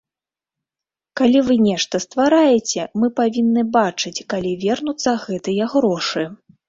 Калі вы нешта ствараеце, мы павінны бачыць, калі вернуцца гэтыя грошы.